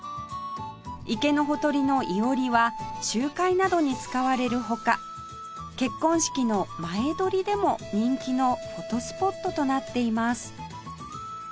池のほとりの庵は集会などに使われる他結婚式の前撮りでも人気のフォトスポットとなっています